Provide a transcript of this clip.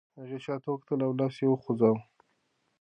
هغې شاته وکتل او لاس یې وخوځاوه.